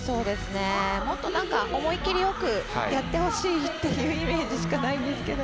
もっと思い切りよくやってほしいというイメージしかないんですけど。